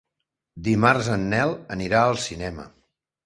Dimarts en Nel anirà al cinema.